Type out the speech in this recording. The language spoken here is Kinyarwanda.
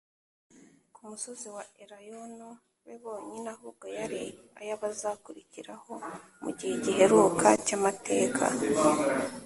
Ku musozi wa Elayono be bonyine ahubwo yari ay'abazakurikiraho mu gihe giheruka cy'amateka.